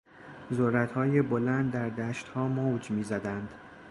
ذرتهای بلند در دشتها موج میزدند.